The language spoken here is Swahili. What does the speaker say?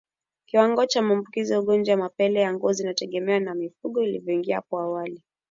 Kiwango cha maambukizi ya ugonjwa wa mapele ya ngozi inategemea mifugo ilivyoingiliana hapo awali